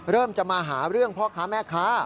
เริ่มจะมาหาเรื่องพ่อค้าแม่ค้า